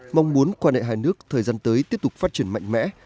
mong muốn quan hệ hai nước thời gian tới tiếp tục phát triển mạnh mẽ